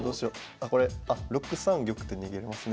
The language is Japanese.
あこれ６三玉って逃げれますね。